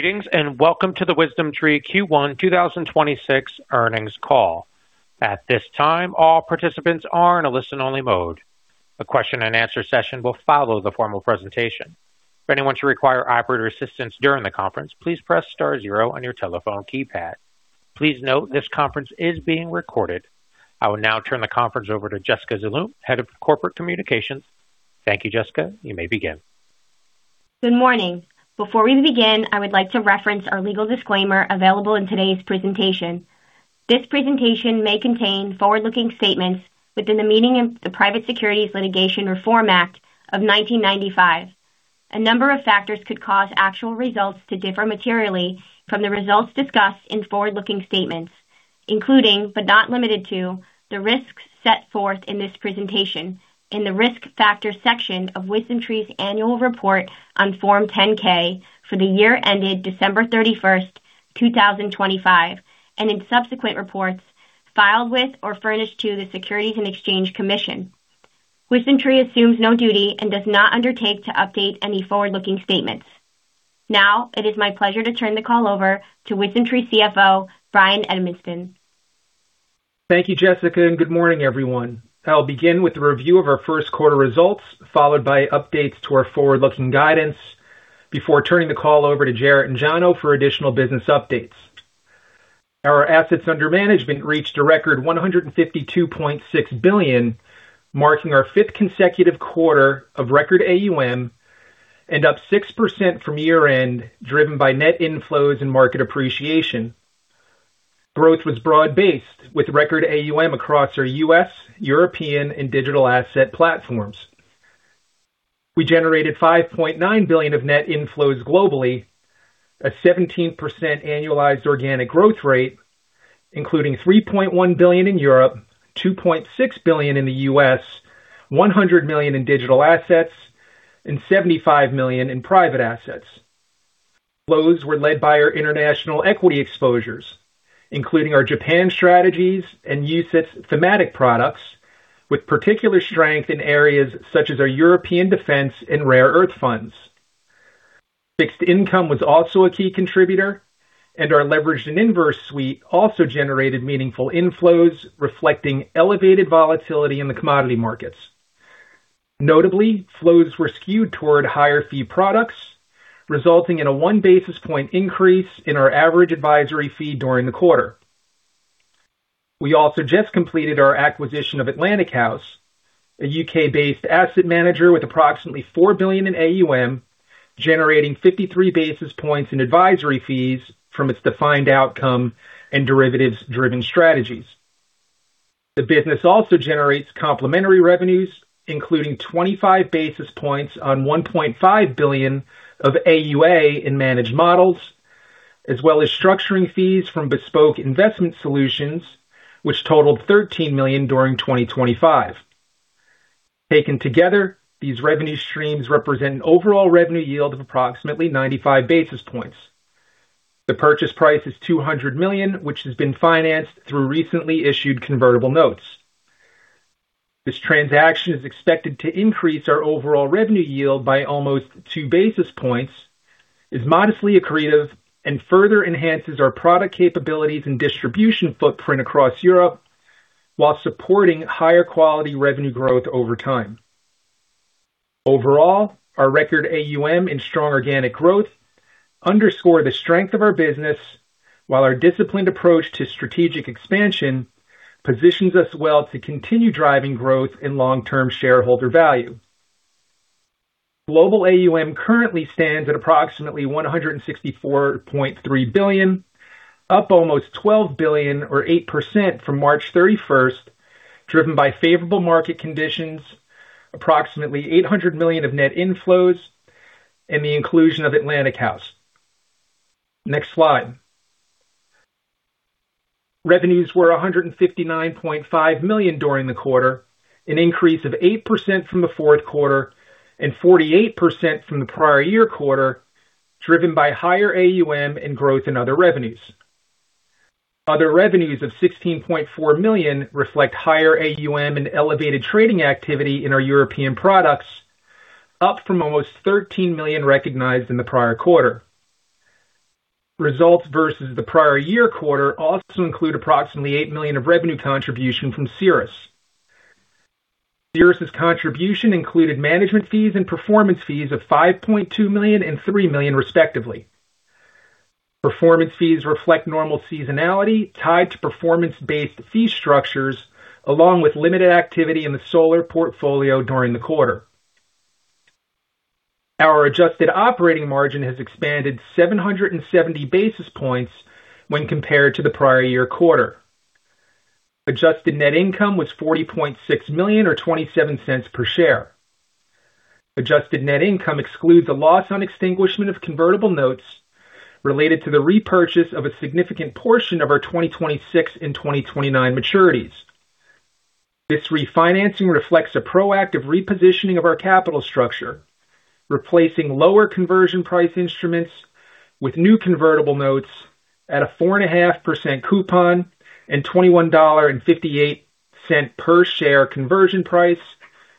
Greetings, welcome to the WisdomTree Q1 2026 Earnings Call. At this time, all participants are in a listen-only mode. A question and answer session will follow the formal presentation. If anyone should require operator assistance during the conference, please press star zero on your telephone keypad. Please note this conference is being recorded. I will now turn the conference over to Jessica Zaloom, Head of Corporate Communications. Thank you, Jessica. You may begin. Good morning. Before we begin, I would like to reference our legal disclaimer available in today's presentation. This presentation may contain forward-looking statements within the meaning of the Private Securities Litigation Reform Act of 1995. A number of factors could cause actual results to differ materially from the results discussed in forward-looking statements, including, but not limited to, the risks set forth in this presentation in the Risk Factors section of WisdomTree's annual report on Form 10-K for the year ended December 31st, 2025, and in subsequent reports filed with or furnished to the Securities and Exchange Commission. WisdomTree assumes no duty and does not undertake to update any forward-looking statements. Now, it is my pleasure to turn the call over to WisdomTree CFO, Bryan Edmiston. Thank you, Jessica, and good morning, everyone. I'll begin with a review of our first quarter results, followed by updates to our forward-looking guidance before turning the call over to Jarrett and Jono for additional business updates. Our assets under management reached a record $152.6 billion, marking our fifth consecutive quarter of record AUM and up 6% from year-end, driven by net inflows and market appreciation. Growth was broad-based with record AUM across our US, European, and digital asset platforms. We generated $5.9 billion of net inflows globally at 17% annualized organic growth rate, including $3.1 billion in Europe, $2.6 billion in the U.S., $100 million in digital assets, and $75 million in private assets. Flows were led by our international equity exposures, including our Japan strategies and UCITS thematic products with particular strength in areas such as our European defense and rare earth funds. Fixed income was also a key contributor, and our leveraged and inverse suite also generated meaningful inflows, reflecting elevated volatility in the commodity markets. Notably, flows were skewed toward higher fee products, resulting in a 1 basis point increase in our average advisory fee during the quarter. We also just completed our acquisition of Atlantic House, a U.K.-based asset manager with approximately 4 billion in AUM, generating 53 basis points in advisory fees from its defined outcome and derivatives-driven strategies. The business also generates complementary revenues, including 25 basis points on 1.5 billion of AUA in managed models, as well as structuring fees from bespoke investment solutions, which totaled $13 million during 2025. Taken together, these revenue streams represent an overall revenue yield of approximately 95 basis points. The purchase price is $200 million, which has been financed through recently issued convertible notes. This transaction is expected to increase our overall revenue yield by almost 2 basis points, is modestly accretive, and further enhances our product capabilities and distribution footprint across Europe while supporting higher quality revenue growth over time. Overall, our record AUM and strong organic growth underscore the strength of our business, while our disciplined approach to strategic expansion positions us well to continue driving growth in long-term shareholder value. Global AUM currently stands at approximately $164.3 billion, up almost $12 billion or 8% from March 31st, driven by favorable market conditions, approximately $800 million of net inflows, and the inclusion of Atlantic House. Next slide. Revenues were $159.5 million during the quarter, an increase of 8% from the fourth quarter and 48% from the prior year quarter, driven by higher AUM and growth in other revenues. Other revenues of $16.4 million reflect higher AUM and elevated trading activity in our European products, up from almost $13 million recognized in the prior quarter. Results versus the prior year quarter also include approximately $8 million of revenue contribution from Ceres. Ceres's contribution included management fees and performance fees of $5.2 million and $3 million, respectively. Performance fees reflect normal seasonality tied to performance-based fee structures, along with limited activity in the solar portfolio during the quarter. Our adjusted operating margin has expanded 770 basis points when compared to the prior year quarter. Adjusted net income was $40.6 million or $0.27 per share. Adjusted net income excludes a loss on extinguishment of convertible notes related to the repurchase of a significant portion of our 2026 and 2029 maturities. This refinancing reflects a proactive repositioning of our capital structure, replacing lower conversion price instruments with new convertible notes at a 4.5% coupon and $21.58 per share conversion price,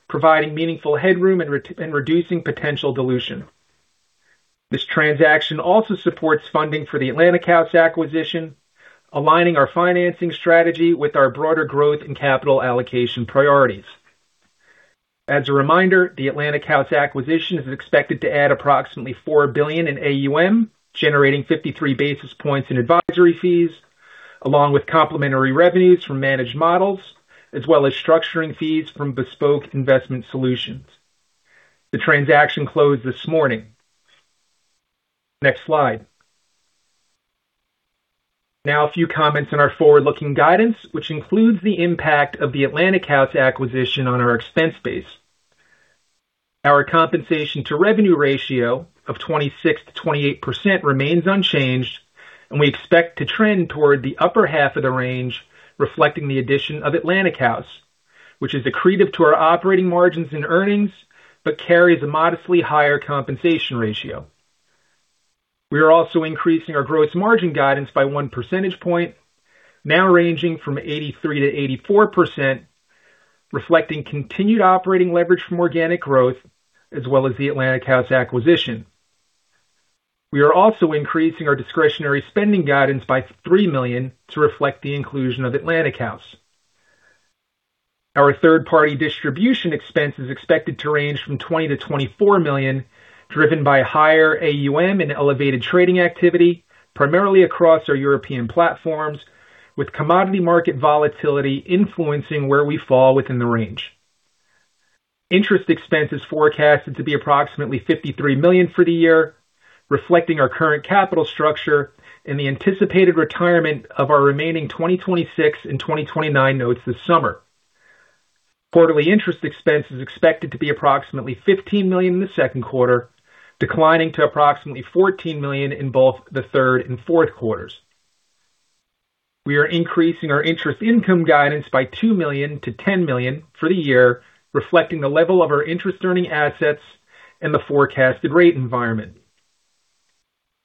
providing meaningful headroom and reducing potential dilution. This transaction also supports funding for the Atlantic House acquisition, aligning our financing strategy with our broader growth and capital allocation priorities. As a reminder, the Atlantic House acquisition is expected to add approximately $4 billion in AUM, generating 53 basis points in advisory fees, along with complementary revenues from managed models, as well as structuring fees from bespoke investment solutions. The transaction closed this morning. Next slide. A few comments on our forward-looking guidance, which includes the impact of the Atlantic House acquisition on our expense base. Our compensation to revenue ratio of 26%-28% remains unchanged, and we expect to trend toward the upper half of the range, reflecting the addition of Atlantic House, which is accretive to our operating margins and earnings, but carries a modestly higher compensation ratio. We are also increasing our gross margin guidance by 1 percentage point, now ranging from 83%-84%, reflecting continued operating leverage from organic growth as well as the Atlantic House acquisition. We are also increasing our discretionary spending guidance by $3 million to reflect the inclusion of Atlantic House. Our third-party distribution expense is expected to range from $20 million-$24 million, driven by higher AUM and elevated trading activity, primarily across our European platforms, with commodity market volatility influencing where we fall within the range. Interest expense is forecasted to be approximately $53 million for the year, reflecting our current capital structure and the anticipated retirement of our remaining 2026 and 2029 notes this summer. Quarterly interest expense is expected to be approximately $15 million in the second quarter, declining to approximately $14 million in both the third and fourth quarters. We are increasing our interest income guidance by $2 million-$10 million for the year, reflecting the level of our interest-earning assets and the forecasted rate environment.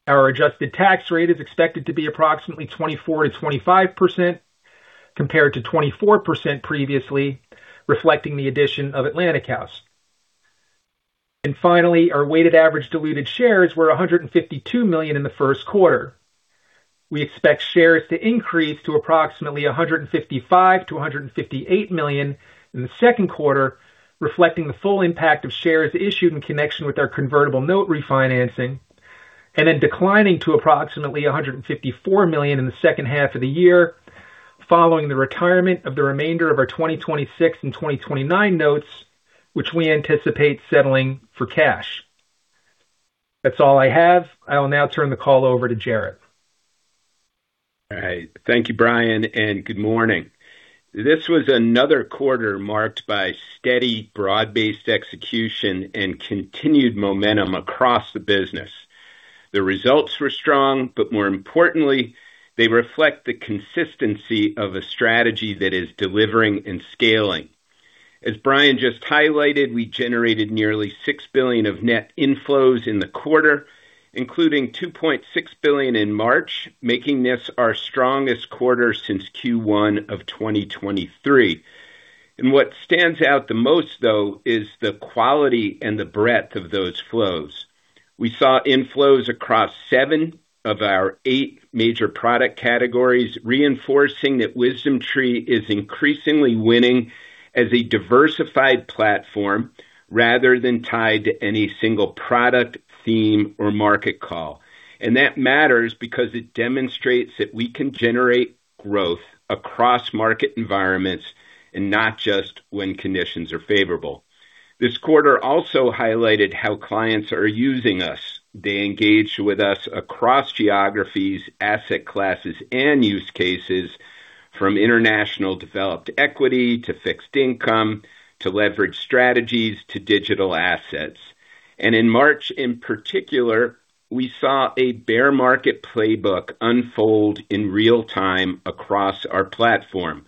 Our adjusted tax rate is expected to be approximately 24%-25% compared to 24% previously, reflecting the addition of Atlantic House. Finally, our weighted average diluted shares were $152 million in the first quarter. We expect shares to increase to approximately $155 million-$158 million in the second quarter, reflecting the full impact of shares issued in connection with our convertible note refinancing, then declining to approximately $154 million in the second half of the year following the retirement of the remainder of our 2026 and 2029 notes, which we anticipate settling for cash. That's all I have. I will now turn the call over to Jarrett Lilien. All right. Thank you, Bryan, good morning. This was another quarter marked by steady, broad-based execution and continued momentum across the business. The results were strong, more importantly, they reflect the consistency of a strategy that is delivering and scaling. As Bryan just highlighted, we generated nearly $6 billion of net inflows in the quarter, including $2.6 billion in March, making this our strongest quarter since Q1 of 2023. What stands out the most, though, is the quality and the breadth of those flows. We saw inflows across seven of our eight major product categories, reinforcing that WisdomTree is increasingly winning as a diversified platform rather than tied to any single product, theme, or market call. That matters because it demonstrates that we can generate growth across market environments and not just when conditions are favorable. This quarter also highlighted how clients are using us. They engage with us across geographies, asset classes, and use cases from international developed equity to fixed income, to leveraged strategies, to digital assets. In March, in particular, we saw a bear market playbook unfold in real time across our platform.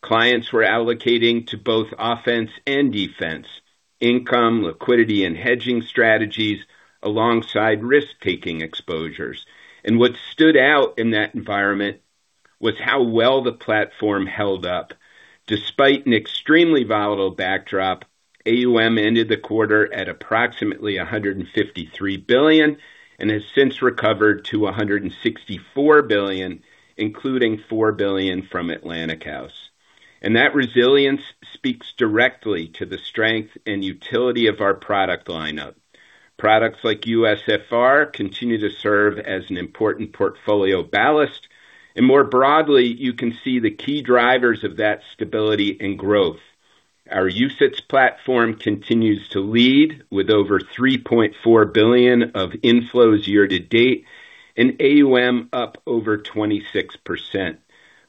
Clients were allocating to both offense and defense, income, liquidity, and hedging strategies alongside risk-taking exposures. What stood out in that environment was how well the platform held up. Despite an extremely volatile backdrop, AUM ended the quarter at approximately $153 billion and has since recovered to $164 billion, including $4 billion from Atlantic House. That resilience speaks directly to the strength and utility of our product lineup. Products like USFR continue to serve as an important portfolio ballast. More broadly, you can see the key drivers of that stability and growth. Our UCITS platform continues to lead with over $3.4 billion of inflows year to date and AUM up over 26%.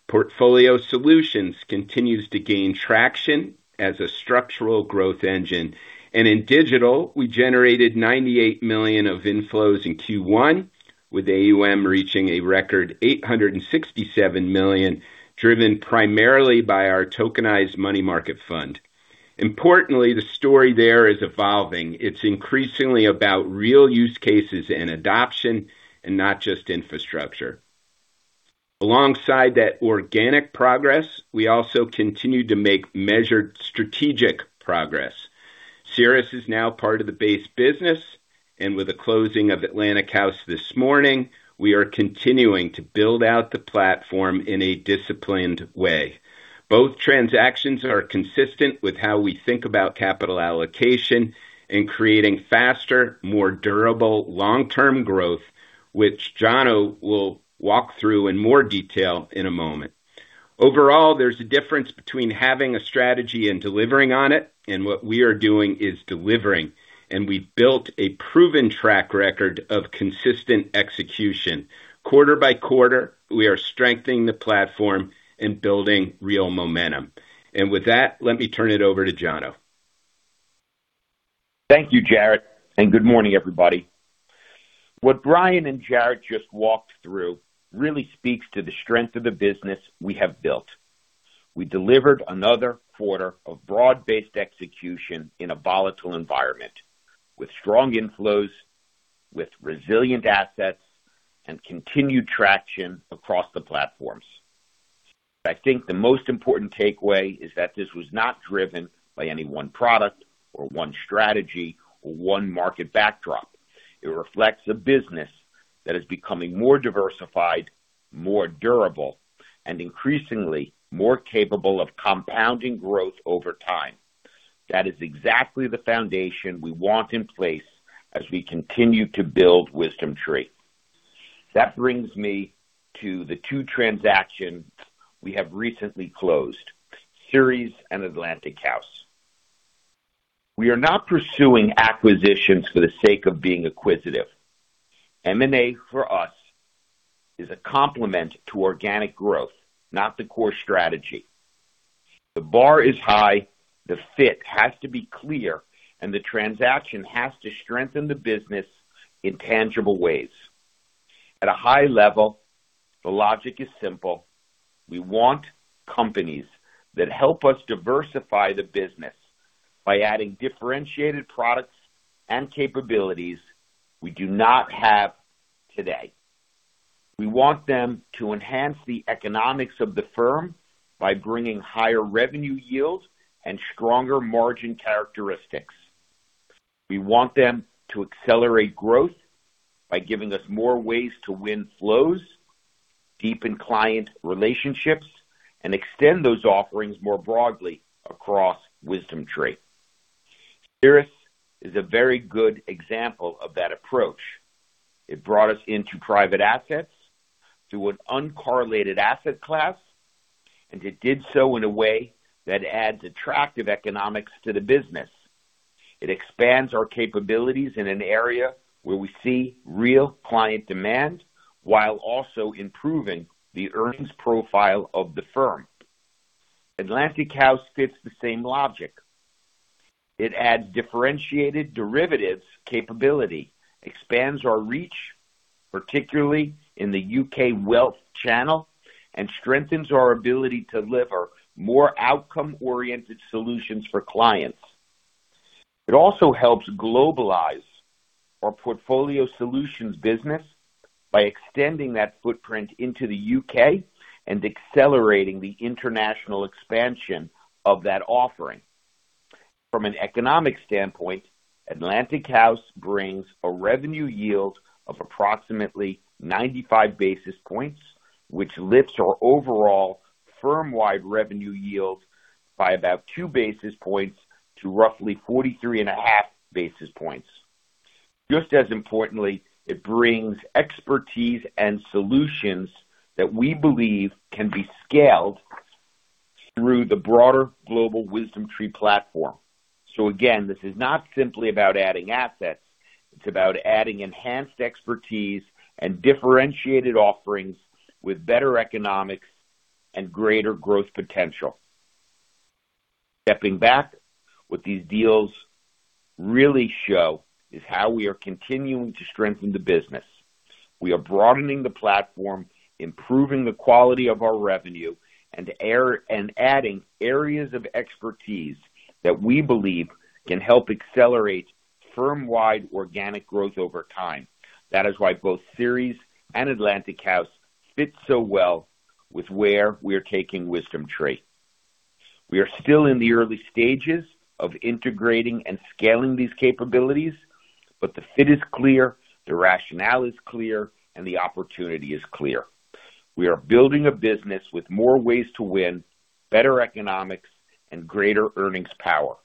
Portfolio Solutions continues to gain traction as a structural growth engine. In digital, we generated $98 million of inflows in Q1, with AUM reaching a record $867 million, driven primarily by our tokenized money market fund. Importantly, the story there is evolving. It's increasingly about real use cases and adoption and not just infrastructure. Alongside that organic progress, we also continue to make measured strategic progress. Ceres is now part of the base business, and with the closing of Atlantic House this morning, we are continuing to build out the platform in a disciplined way. Both transactions are consistent with how we think about capital allocation and creating faster, more durable long-term growth, which Jonathan Steinberg will walk through in more detail in a moment. Overall, there's a difference between having a strategy and delivering on it, and what we are doing is delivering. We built a proven track record of consistent execution. Quarter by quarter, we are strengthening the platform and building real momentum. With that, let me turn it over to Jonathan Steinberg. Thank you, Jarrett, and good morning, everybody. What Bryan and Jarrett just walked through really speaks to the strength of the business we have built. We delivered another quarter of broad-based execution in a volatile environment with strong inflows, with resilient assets, and continued traction across the platforms. I think the most important takeaway is that this was not driven by any one product or one strategy or one market backdrop. It reflects a business that is becoming more diversified, more durable, and increasingly more capable of compounding growth over time. That is exactly the foundation we want in place as we continue to build WisdomTree. That brings me to the two transactions we have recently closed, Ceres and Atlantic House. We are not pursuing acquisitions for the sake of being acquisitive. M&A for us is a complement to organic growth, not the core strategy. The bar is high, the fit has to be clear, and the transaction has to strengthen the business in tangible ways. At a high level, the logic is simple. We want companies that help us diversify the business by adding differentiated products and capabilities we do not have today. We want them to enhance the economics of the firm by bringing higher revenue yields and stronger margin characteristics. We want them to accelerate growth by giving us more ways to win flows, deepen client relationships, and extend those offerings more broadly across WisdomTree. Ceres is a very good example of that approach. It brought us into private assets, to an uncorrelated asset class, and it did so in a way that adds attractive economics to the business. It expands our capabilities in an area where we see real client demand while also improving the earnings profile of the firm. Atlantic House fits the same logic. It adds differentiated derivatives capability, expands our reach, particularly in the U.K. wealth channel, and strengthens our ability to deliver more outcome-oriented solutions for clients. It also helps globalize our Portfolio Solutions business by extending that footprint into the U.K. and accelerating the international expansion of that offering. From an economic standpoint, Atlantic House brings a revenue yield of approximately 95 basis points, which lifts our overall firm-wide revenue yield by about 2 basis points to roughly 43.5 basis points. Just as importantly, it brings expertise and solutions that we believe can be scaled through the broader global WisdomTree platform. Again, this is not simply about adding assets. It's about adding enhanced expertise and differentiated offerings with better economics and greater growth potential. Stepping back, what these deals really show is how we are continuing to strengthen the business. We are broadening the platform, improving the quality of our revenue, and adding areas of expertise that we believe can help accelerate firm-wide organic growth over time. That is why both Ceres and Atlantic House fit so well with where we're taking WisdomTree. We are still in the early stages of integrating and scaling these capabilities, but the fit is clear, the rationale is clear, and the opportunity is clear. We are building a business with more ways to win, better economics, and greater earnings power.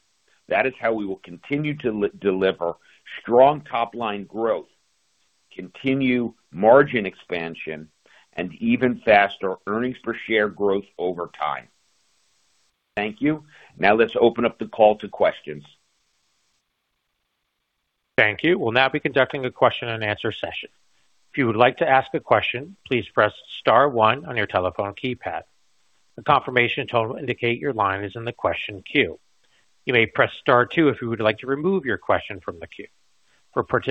That is how we will continue to deliver strong top-line growth, continue margin expansion, and even faster earnings per share growth over time. Thank you. Now let's open up the call to questions. Thank you. Our first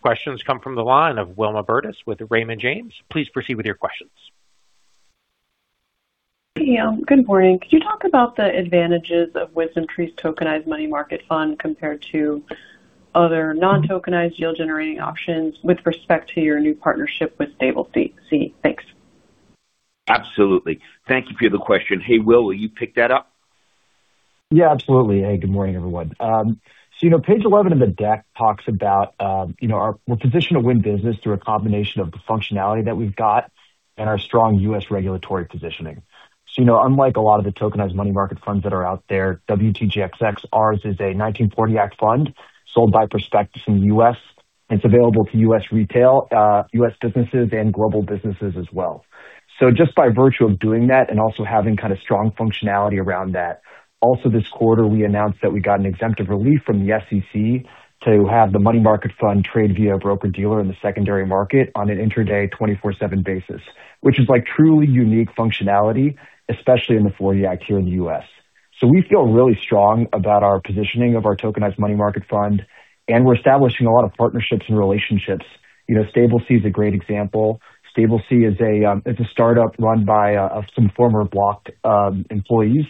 questions come from the line of Wilma Burtis with Raymond James. Please proceed with your questions. Hey, good morning. Could you talk about the advantages of WisdomTree's tokenized money market fund compared to other non-tokenized yield generating options with respect to your new partnership with StableC? Thanks. Absolutely. Thank you for the question. Hey, Will, will you pick that up? Yeah, absolutely. Hey, good morning, everyone. You know, page 11 of the deck talks about, you know, we're positioned to win business through a combination of the functionality that we've got and our strong U.S. regulatory positioning. You know, unlike a lot of the tokenized money market funds that are out there, WTGXX, ours is a 1940 Act fund sold by prospectus in the U.S. It's available to U.S. retail, U.S. businesses and global businesses as well. Just by virtue of doing that and also having kind of strong functionality around that, also this quarter, we announced that we got an exemptive relief from the SEC to have the money market fund trade via broker-dealer in the secondary market on an intraday 24/7 basis, which is like truly unique functionality, especially in the 1940 Act here in the U.S. We feel really strong about our positioning of our tokenized money market fund, and we're establishing a lot of partnerships and relationships. You know, StableC is a great example. StableC is a startup run by some former Block employees.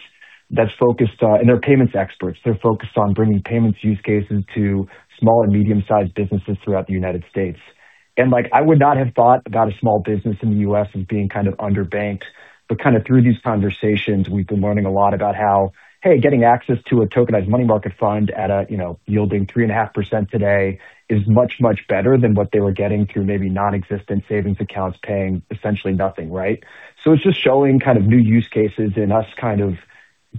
They're payments experts. They're focused on bringing payments use cases to small and medium-sized businesses throughout the U.S. Like, I would not have thought about a small business in the U.S. as being kind of underbanked. Kind of through these conversations, we've been learning a lot about how, hey, getting access to a tokenized money market fund at a, you know, yielding 3.5% today is much, much better than what they were getting through maybe non-existent savings accounts paying essentially nothing, right? It's just showing kind of new use cases and us kind of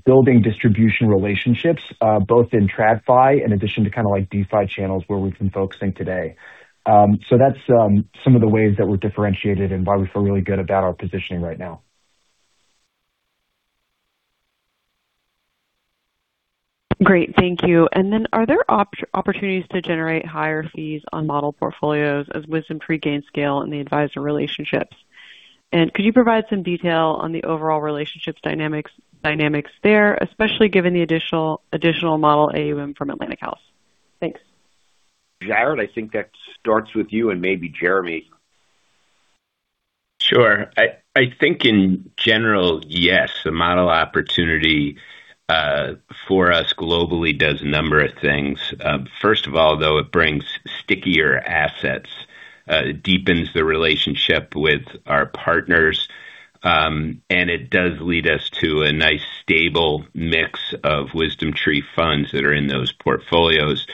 building distribution relationships, both in TradFi in addition to kind of like DeFi channels where we've been focusing today. That's some of the ways that we're differentiated and why we feel really good about our positioning right now. Great. Thank you. Then are there opportunities to generate higher fees on model portfolios as WisdomTree gains scale in the advisor relationships? Could you provide some detail on the overall relationships dynamics there, especially given the additional model AUM from Atlantic House? Thanks. Jarrett Lilien, I think that starts with you and maybe Jeremy. Sure. I think in general, yes, the model opportunity for us globally does a number of things. First of all, though, it brings stickier assets, deepens the relationship with our partners, and it does lead us to a nice stable mix of WisdomTree funds that are in those portfolios.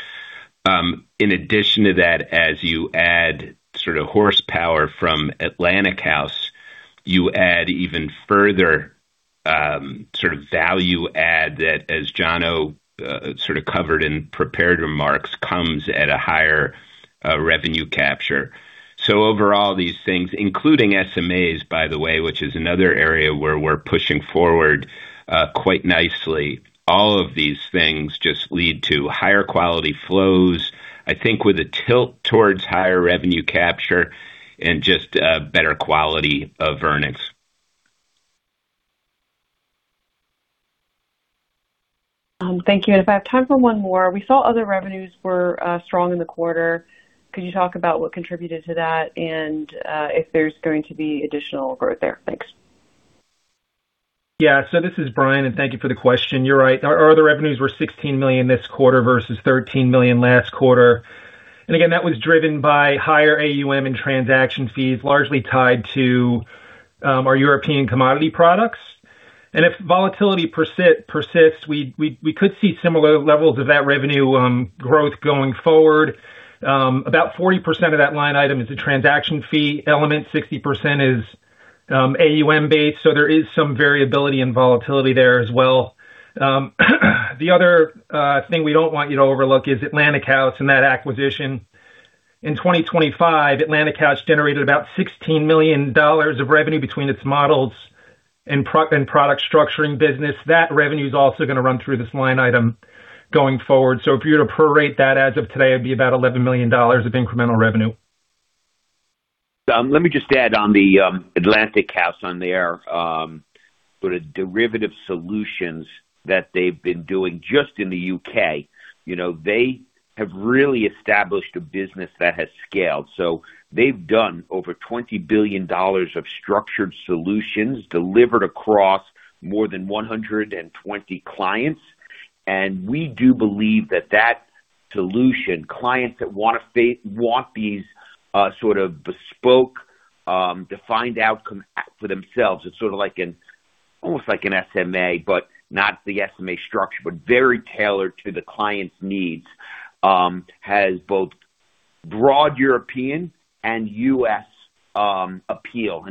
In addition to that, as you add sort of horsepower from Atlantic House, you add even further sort of value add that as Jonathan Steinberg covered in prepared remarks, comes at a higher revenue capture. Overall, these things, including SMAs, by the way, which is another area where we're pushing forward quite nicely, all of these things just lead to higher quality flows, I think with a tilt towards higher revenue capture and just better quality of earnings. Thank you. If I have time for one more. We saw other revenues were strong in the quarter. Could you talk about what contributed to that and if there's going to be additional growth there? Thanks. This is Bryan Edmiston, and thank you for the question. You're right. Our other revenues were $16 million this quarter versus $13 million last quarter. Again, that was driven by higher AUM and transaction fees, largely tied to our European commodity products. If volatility persists, we could see similar levels of that revenue growth going forward. About 40% of that line item is a transaction fee element, 60% is AUM based, so there is some variability and volatility there as well. The other thing we don't want you to overlook is Atlantic House and that acquisition. In 2025, Atlantic House generated about $16 million of revenue between its models and product structuring business. That revenue is also gonna run through this line item going forward. If you were to prorate that as of today, it'd be about $11 million of incremental revenue. Let me just add on the Atlantic House on their sort of derivative solutions that they've been doing just in the U.K. You know, they have really established a business that has scaled. They've done over $20 billion of structured solutions delivered across more than 120 clients. We do believe that that solution, clients that want these sort of bespoke defined outcome for themselves, it's sort of like an almost like an SMA, but not the SMA structure, but very tailored to the client's needs, has both broad European and U.S. appeal.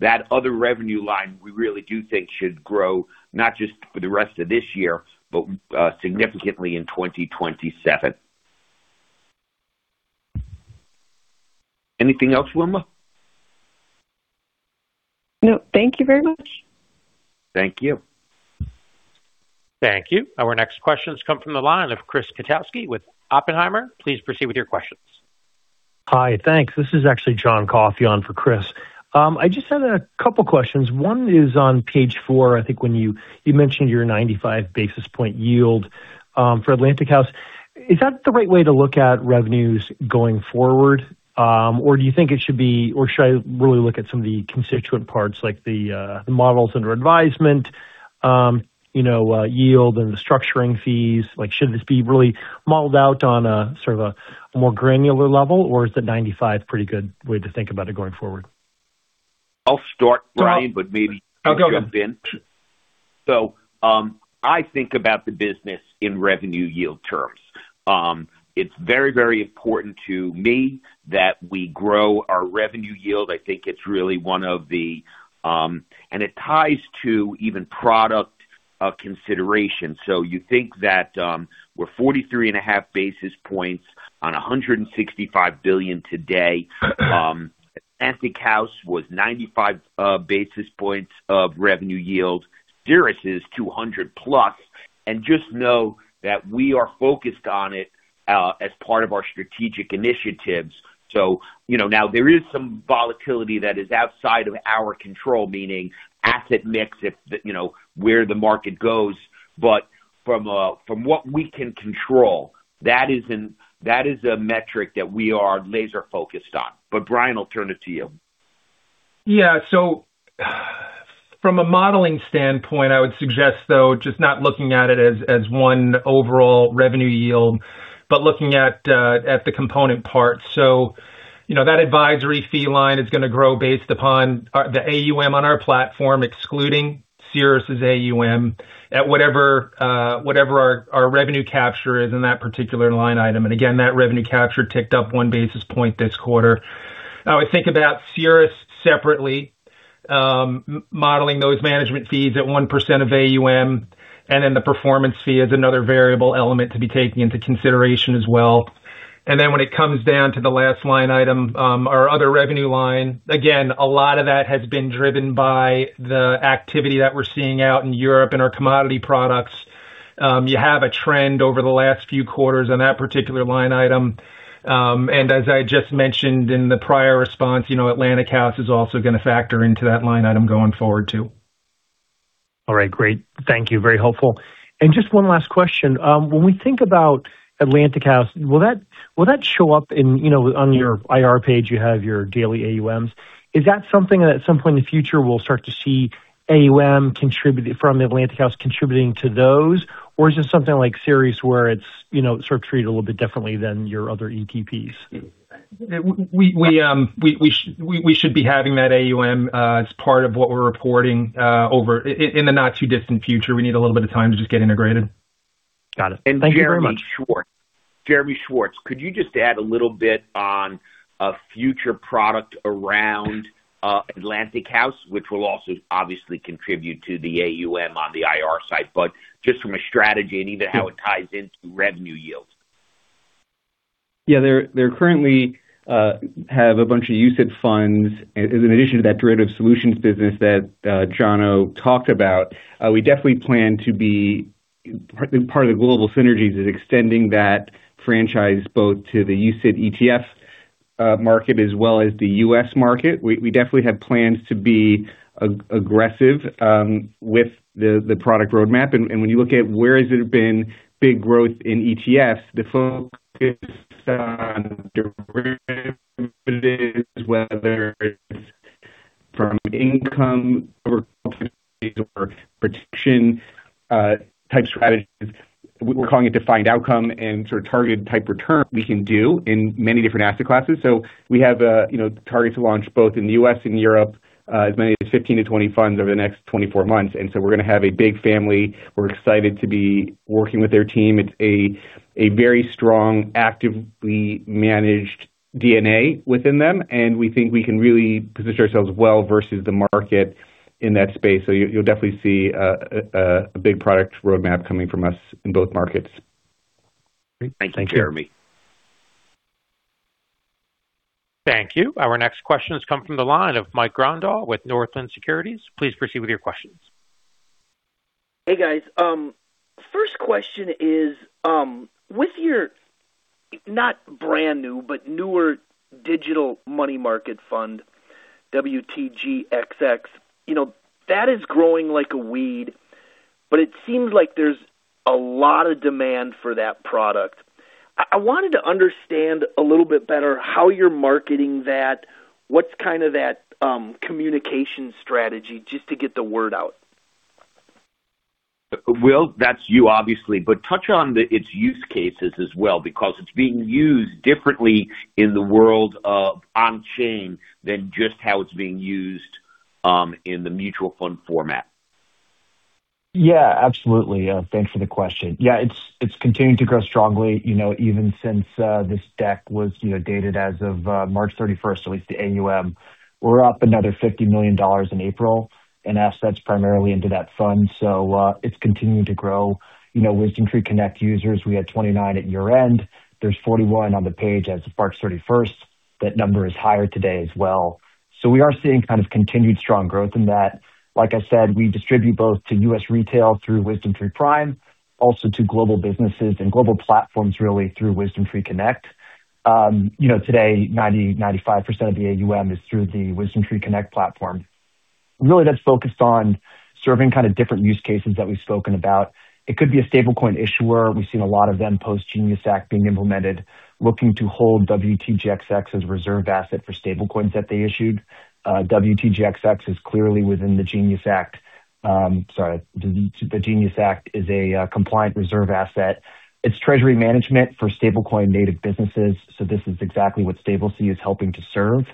That other revenue line we really do think should grow, not just for the rest of this year, but significantly in 2027. Anything else, Wilma? No. Thank you very much. Thank you. Thank you. Our next questions come from the line of Chris Kotowski with Oppenheimer. Please proceed with your questions. Hi, thanks. This is actually John Coffey on for Chris Kotowski. I just had a couple questions. One is on page four, I think when you mentioned your 95 basis point yield for Atlantic House. Is that the right way to look at revenues going forward? Should I really look at some of the constituent parts like the models under advisement, you know, yield and the structuring fees? Like, should this be really modeled out on a sort of a more granular level, or is the 95 pretty good way to think about it going forward? I'll start, Bryan, John- Maybe you jump in. Oh, go ahead. I think about the business in revenue yield terms. It's very, very important to me that we grow our revenue yield. I think it's really one of the. It ties to even product consideration. You think that we're 43.5 basis points on $165 billion today. Atlantic House was 95 basis points of revenue yield. Ceres is 200+. Just know that we are focused on it as part of our strategic initiatives. You know, now there is some volatility that is outside of our control, meaning asset mix if the, you know, where the market goes. From what we can control, that is a metric that we are laser-focused on. Bryan, I'll turn it to you. Yeah. From a modeling standpoint, I would suggest though just not looking at it as one overall revenue yield, but looking at the component parts. You know, that advisory fee line is gonna grow based upon the AUM on our platform, excluding Ceres's AUM, at whatever our revenue capture is in that particular line item. Again, that revenue capture ticked up 1 basis point this quarter. I would think about Ceres separately, modeling those management fees at 1% of AUM, and then the performance fee is another variable element to be taken into consideration as well. When it comes down to the last line item, our other revenue line, again, a lot of that has been driven by the activity that we're seeing out in Europe and our commodity products. You have a trend over the last few quarters on that particular line item. As I just mentioned in the prior response, you know, Atlantic House is also gonna factor into that line item going forward too. All right. Great. Thank you. Very helpful. Just one last question. When we think about Atlantic House, will that show up in, you know, on your IR page, you have your daily AUMs? Is that something that at some point in the future we'll start to see AUM from Atlantic House contributing to those? Or is it something like Ceres where it's, you know, sort of treated a little bit differently than your other ETPs? We should be having that AUM as part of what we're reporting over in the not too distant future. We need a little bit of time to just get integrated. Got it. Thank you very much. Jeremy Schwartz. Jeremy Schwartz, could you just add a little bit on a future product around Atlantic House, which will also obviously contribute to the AUM on the IR side, but just from a strategy and even how it ties into revenue yield. There currently have a bunch of UCITS funds in addition to that derivative solutions business that Jonathan Steinberg talked about. We definitely plan to be part of the global synergies is extending that franchise both to the UCITS ETF market as well as the U.S. market. We definitely have plans to be aggressive with the product roadmap. When you look at where has there been big growth in ETF, the focus on derivatives, whether it's from income or protection, type strategies, we're calling it defined outcome and sort of targeted type return we can do in many different asset classes. We have a, you know, target to launch both in the U.S. and Europe, as many as 15 to 20 funds over the next 24 months. We're gonna have a big family. We're excited to be working with their team. It's a very strong, actively managed DNA within them, and we think we can really position ourselves well versus the market in that space. You'll definitely see a big product roadmap coming from us in both markets. Great. Thank you, Jeremy. Thank you. Thank you. Our next question has come from the line of Mike Grondahl with Northland Securities. Please proceed with your questions. Hey, guys. First question is, with your not brand new but newer digital money market fund, WTGXX, you know, that is growing like a weed, but it seems like there's a lot of demand for that product. I wanted to understand a little bit better how you're marketing that. What's kind of that communication strategy just to get the word out? Will, that's you obviously, touch on its use cases as well because it's being used differently in the world of on-chain than just how it's being used in the mutual fund format. Absolutely. Thanks for the question. It's continuing to grow strongly, you know, even since this deck was, you know, dated as of March 31st, at least the AUM. We're up another $50 million in April in assets primarily into that fund. It's continuing to grow. You know, WisdomTree Connect users, we had 29 at year-end. There's 41 on the page as of March 31st. That number is higher today as well. We are seeing kind of continued strong growth in that. Like I said, we distribute both to U.S. retail through WisdomTree Prime, also to global businesses and global platforms really through WisdomTree Connect. You know, today, 90-95% of the AUM is through the WisdomTree Connect platform. Really that's focused on serving kind of different use cases that we've spoken about. It could be a stablecoin issuer. We've seen a lot of them post GENIUS Act being implemented, looking to hold WTGXX as a reserve asset for stablecoins that they issued. WTGXX is clearly within the GENIUS Act. Sorry, the GENIUS Act is a compliant reserve asset. It's treasury management for StableC native businesses, so this is exactly what StableC is helping to serve.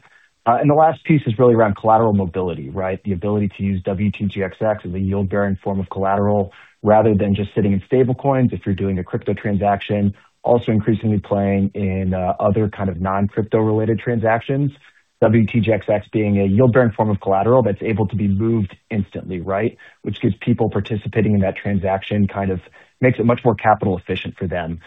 The last piece is really around collateral mobility, right? The ability to use WTGXX as a yield-bearing form of collateral rather than just sitting in stablecoins if you're doing a crypto transaction, also increasingly playing in other kind of non-crypto related transactions. WTGXX being a yield-bearing form of collateral that's able to be moved instantly, right? Which gives people participating in that transaction makes it much more capital efficient for them.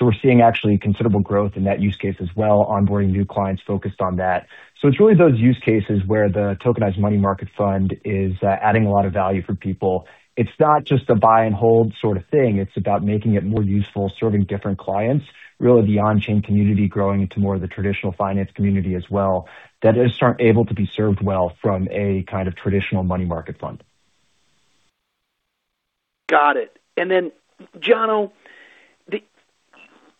We're seeing actually considerable growth in that use case as well, onboarding new clients focused on that. It's really those use cases where the tokenized money market fund is adding a lot of value for people. It's not just a buy and hold sort of thing. It's about making it more useful, serving different clients, really the on-chain community growing into more of the traditional finance community as well that isn't able to be served well from a traditional money market fund. Got it. Jonathan Steinberg,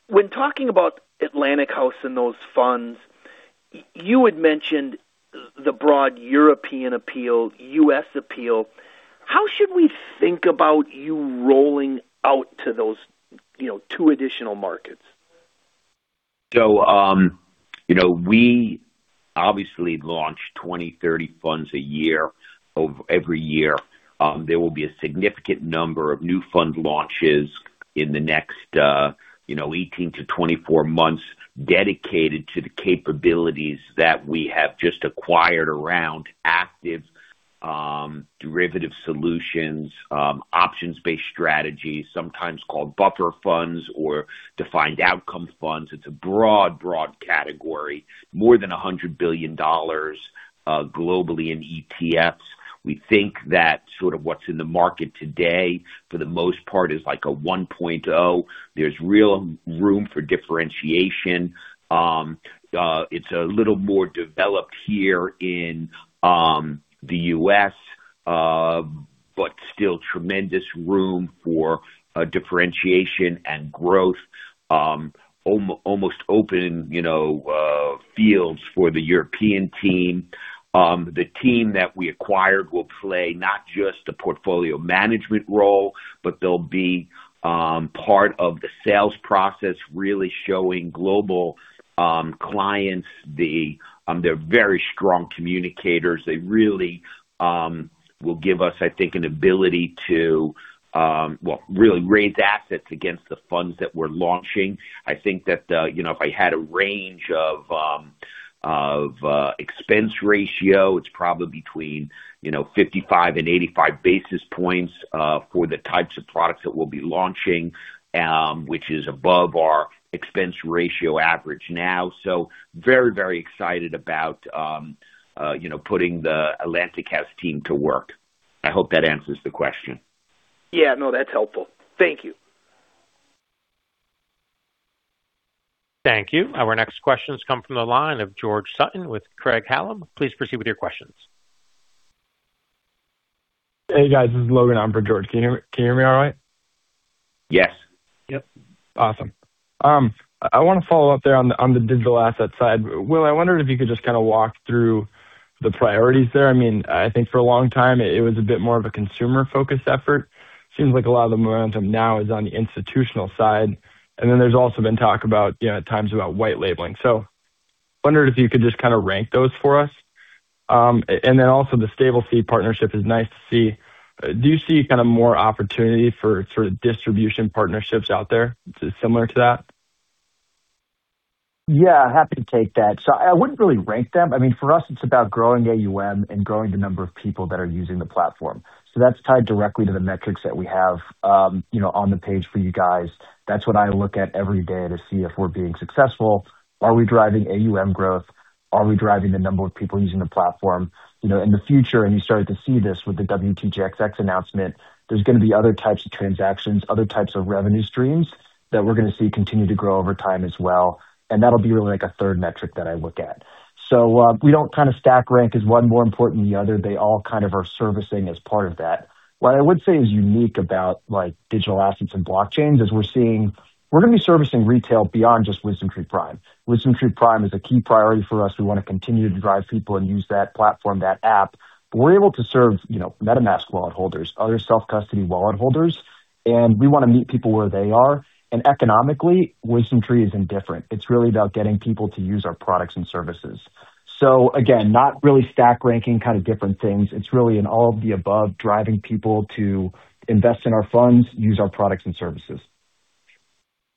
when talking about Atlantic House and those funds, you had mentioned the broad European appeal, U.S. appeal. How should we think about you rolling out to those, you know, two additional markets? You know, we obviously launch 20, 30 funds a year of every year. There will be a significant number of new fund launches in the next, you know, 18 to 24 months dedicated to the capabilities that we have just acquired around active, derivative solutions, options-based strategies, sometimes called buffer funds or defined outcome funds. It's a broad category, more than $100 billion globally in ETFs. We think that sort of what's in the market today for the most part is like a 1.0. There's real room for differentiation. It's a little more developed here in the U.S., but still tremendous room for differentiation and growth. Almost open, you know, fields for the European team. The team that we acquired will play not just the portfolio management role, but they'll be part of the sales process, really showing global clients. They're very strong communicators. They really will give us, I think, an ability to, well, really raise assets against the funds that we're launching. I think that, you know, if I had a range of expense ratio, it's probably between, you know, 55 and 85 basis points for the types of products that we'll be launching, which is above our expense ratio average now. Very, very excited about, you know, putting the Atlantic House team to work. I hope that answers the question. Yeah. No, that's helpful. Thank you. Thank you. Our next questions come from the line of George Sutton with Craig-Hallum. Please proceed with your questions. Hey, guys. This is Logan on for George. Can you hear me all right? Yes. Yep. Awesome. I want to follow up there on the, on the digital asset side. Will, I wondered if you could just kind of walk through the priorities there. I mean, I think for a long time it was a bit more of a consumer-focused effort. Seems like a lot of the momentum now is on the institutional side. Then there's also been talk about, you know, at times about white labeling. Wondered if you could just kind of rank those for us. And then also the StableC partnership is nice to see. Do you see kind of more opportunity for sort of distribution partnerships out there similar to that? Yeah, happy to take that. I wouldn't really rank them. I mean, for us, it's about growing AUM and growing the number of people that are using the platform. That's tied directly to the metrics that we have, you know, on the page for you guys. That's what I look at every day to see if we're being successful. Are we driving AUM growth? Are we driving the number of people using the platform? You know, in the future, and you started to see this with the WTGXX announcement, there's gonna be other types of transactions, other types of revenue streams that we're gonna see continue to grow over time as well, and that'll be really like a third metric that I look at. We don't kinda stack rank is one more important than the other. They all kind of are servicing as part of that. What I would say is unique about, like, digital assets and blockchains is we're gonna be servicing retail beyond just WisdomTree Prime. WisdomTree Prime is a key priority for us. We wanna continue to drive people and use that platform, that app. We're able to serve, you know, MetaMask wallet holders, other self-custody wallet holders, and we wanna meet people where they are. Economically, WisdomTree is indifferent. It's really about getting people to use our products and services. Again, not really stack ranking kind of different things. It's really an all of the above, driving people to invest in our funds, use our products and services.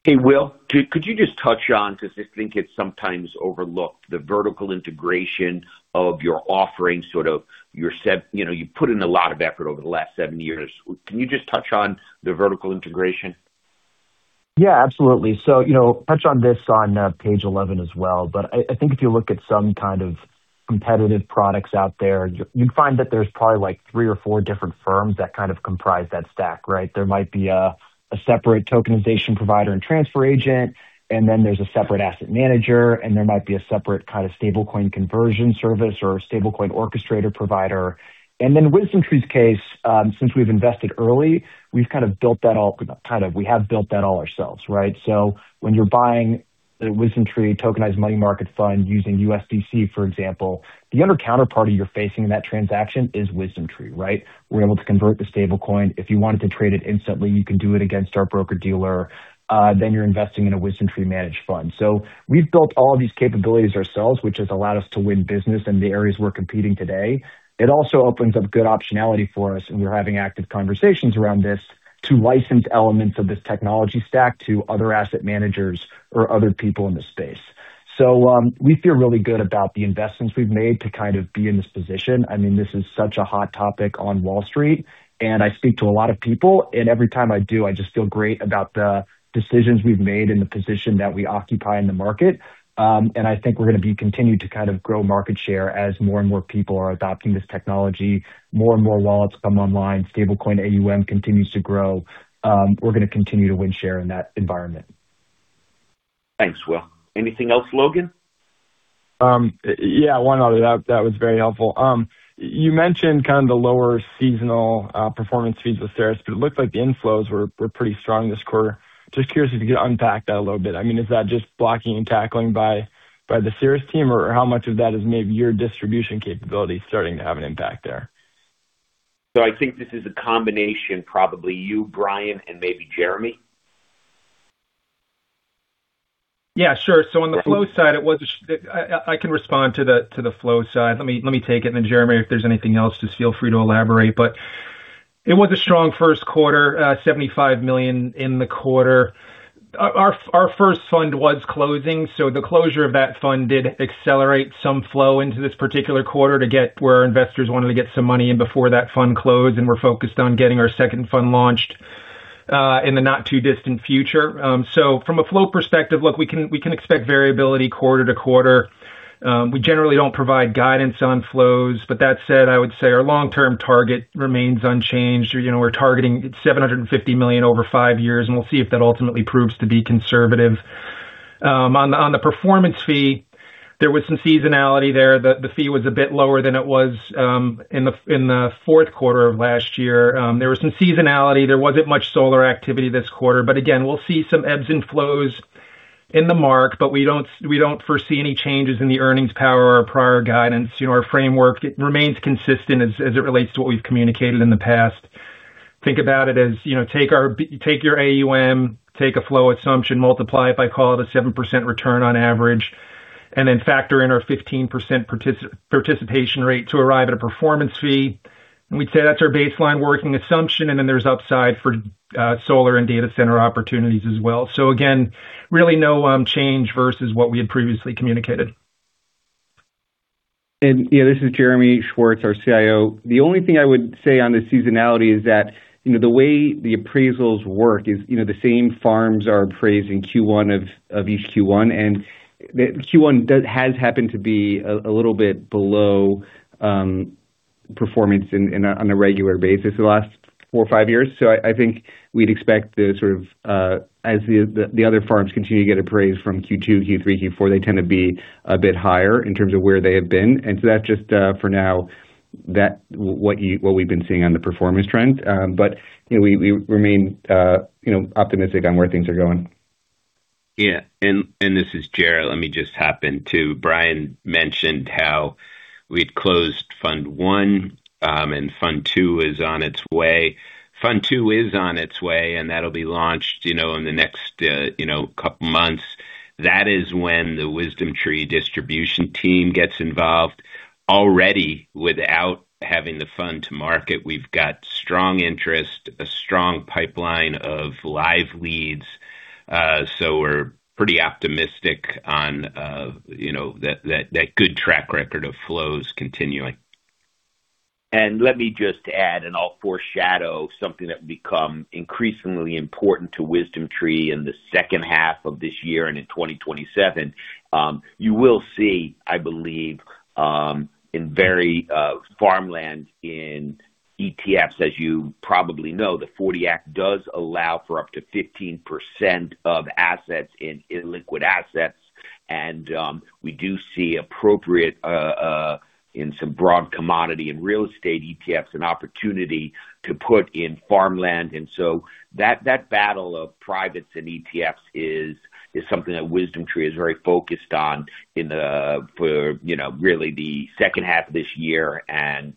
Hey, Will, could you just touch on, because I think it's sometimes overlooked, the vertical integration of your offering, sort of your, you know, you've put in a lot of effort over the last seven years. Can you just touch on the vertical integration? Yeah, absolutely. You know, touch on this on page 11 as well, but I think if you look at some kind of competitive products out there, you'd find that there's probably like three or four different firms that kind of comprise that stack, right? There might be a separate tokenization provider and transfer agent, and then there's a separate asset manager, and there might be a separate kind of stablecoin conversion service or a stablecoin orchestrator provider. WisdomTree's case, since we've invested early, we've built that all ourselves, right? When you're buying a WisdomTree tokenized money market fund using USDC, for example, the other counterparty you're facing in that transaction is WisdomTree, right? We're able to convert the stablecoin. If you wanted to trade it instantly, you can do it against our broker-dealer. Then you're investing in a WisdomTree managed fund. We've built all of these capabilities ourselves, which has allowed us to win business in the areas we're competing today. It also opens up good optionality for us, and we're having active conversations around this to license elements of this technology stack to other asset managers or other people in this space. We feel really good about the investments we've made to kind of be in this position. I mean, this is such a hot topic on Wall Street, and I speak to a lot of people, and every time I do, I just feel great about the decisions we've made and the position that we occupy in the market. I think we're gonna be continued to kind of grow market share as more and more people are adopting this technology. More and more wallets come online. Stablecoin AUM continues to grow. We're gonna continue to win share in that environment. Thanks, Will. Anything else, Logan? Yeah, one other. That was very helpful. You mentioned kind of the lower seasonal performance fees with Ceres, but it looks like the inflows were pretty strong this quarter. Just curious if you could unpack that a little bit. I mean, is that just blocking and tackling by the Ceres team, or how much of that is maybe your distribution capability starting to have an impact there? I think this is a combination, probably you, Bryan, and maybe Jeremy. Yeah, sure. On the flow side, I can respond to the flow side. Let me take it, Jeremy, if there's anything else, just feel free to elaborate. It was a strong first quarter, $75 million in the quarter. Our first fund was closing, the closure of that fund did accelerate some flow into this particular quarter to get where our investors wanted to get some money in before that fund closed, and we're focused on getting our second fund launched in the not too distant future. From a flow perspective, look, we can expect variability quarter-to-quarter. We generally don't provide guidance on flows. That said, I would say our long-term target remains unchanged. You know, we're targeting $750 million over five years. We'll see if that ultimately proves to be conservative. On the performance fee, there was some seasonality there. The fee was a bit lower than it was in the fourth quarter of last year. There was some seasonality. There wasn't much solar activity this quarter. Again, we'll see some ebbs and flows in the mark, but we don't foresee any changes in the earnings power or prior guidance. You know, our framework remains consistent as it relates to what we've communicated in the past. Think about it as, you know, take your AUM, take a flow assumption, multiply it by, call it, a 7% return on average. Then factor in our 15% participation rate to arrive at a performance fee. We'd say that's our baseline working assumption, and then there's upside for, solar and data center opportunities as well. Again, really no, change versus what we had previously communicated. Yeah, this is Jeremy Schwartz, our CIO. The only thing I would say on the seasonality is that, you know, the way the appraisals work is, you know, the same farms are appraised in Q1 of each Q1. The Q1 has happened to be a little bit below performance on a regular basis the last four or five years. I think we'd expect the sort of as the other farms continue to get appraised from Q2, Q3, Q4, they tend to be a bit higher in terms of where they have been. That's just for now what we've been seeing on the performance trend. You know, we remain, you know, optimistic on where things are going. Yeah. This is Jonathan Steinberg. Let me just hop in too. Bryan Edmiston mentioned how we'd closed fund one, and fund two is on its way. Fund two is on its way, and that'll be launched, you know, in the next, you know, couple months. That is when the WisdomTree distribution team gets involved. Already, without having the fund to market, we've got strong interest, a strong pipeline of live leads. We're pretty optimistic on, you know, that good track record of flows continuing. Let me just add, and I'll foreshadow something that will become increasingly important to WisdomTree in the second half of this year and in 2027. You will see, I believe, in very farmland in ETFs. As you probably know, the 1940 Act does allow for up to 15% of assets in illiquid assets. We do see appropriate in some broad commodity and real estate ETFs, an opportunity to put in farmland. That battle of privates and ETFs is something that WisdomTree is very focused on for, you know, really the second half of this year and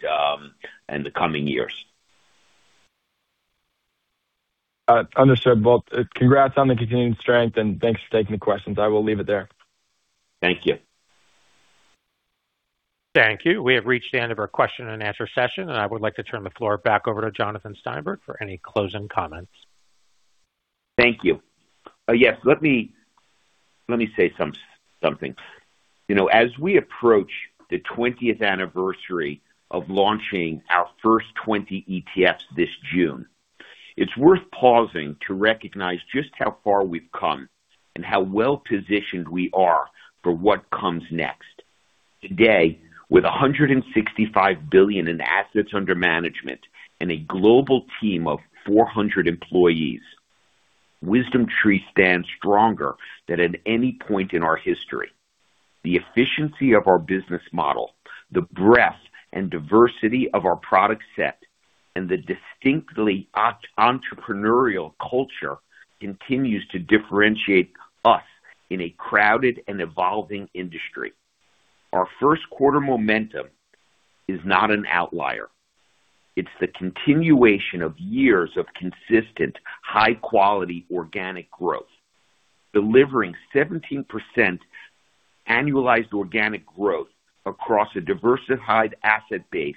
the coming years. Understood. Congrats on the continued strength. Thanks for taking the questions. I will leave it there. Thank you. Thank you. We have reached the end of our question and answer session, and I would like to turn the floor back over to Jonathan Steinberg for any closing comments. Thank you. Yes, let me say something. You know, as we approach the 20th anniversary of launching our first 20 ETFs this June, it's worth pausing to recognize just how far we've come and how well-positioned we are for what comes next. Today, with $165 billion in assets under management and a global team of 400 employees, WisdomTree stands stronger than at any point in our history. The efficiency of our business model, the breadth and diversity of our product set, and the distinctly entrepreneurial culture continues to differentiate us in a crowded and evolving industry. Our first quarter momentum is not an outlier. It's the continuation of years of consistent, high-quality organic growth. Delivering 17% annualized organic growth across a diversified asset base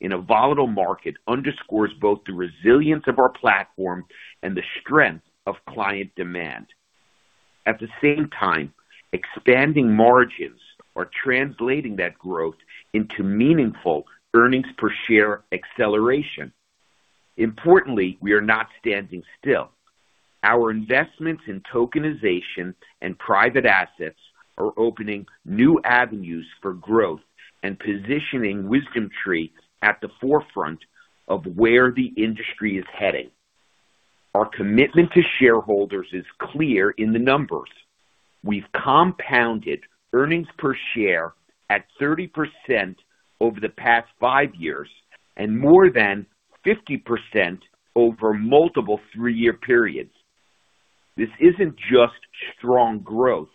in a volatile market underscores both the resilience of our platform and the strength of client demand. At the same time, expanding margins are translating that growth into meaningful earnings per share acceleration. Importantly, we are not standing still. Our investments in tokenization and private assets are opening new avenues for growth and positioning WisdomTree at the forefront of where the industry is heading. Our commitment to shareholders is clear in the numbers. We've compounded earnings per share at 30% over the past five years and more than 50% over multiple three-year periods. This isn't just strong growth.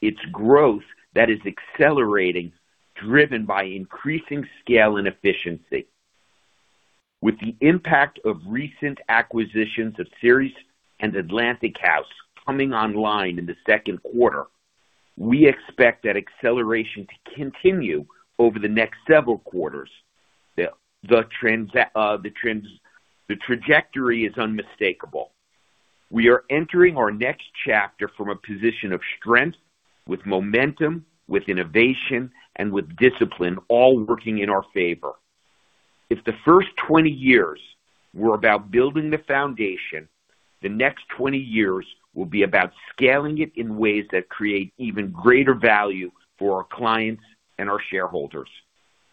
It's growth that is accelerating, driven by increasing scale and efficiency. With the impact of recent acquisitions of Ceres and Atlantic House coming online in the second quarter, we expect that acceleration to continue over the next several quarters. The trajectory is unmistakable. We are entering our next chapter from a position of strength with momentum, with innovation, and with discipline all working in our favor. If the first 20 years were about building the foundation, the next 20 years will be about scaling it in ways that create even greater value for our clients and our shareholders.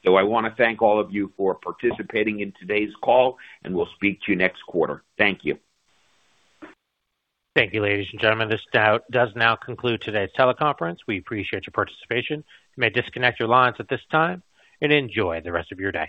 I wanna thank all of you for participating in today's call, and we'll speak to you next quarter. Thank you. Thank you, ladies and gentlemen. This does now conclude today's teleconference. We appreciate your participation. You may disconnect your lines at this time and enjoy the rest of your day.